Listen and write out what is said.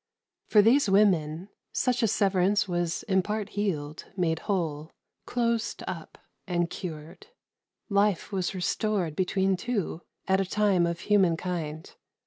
For these women, such a severance was in part healed, made whole, closed up, and cured. Life was restored between two at a time of human kind.